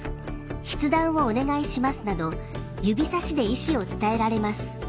「筆談をお願いします」など指さしで意思を伝えられます。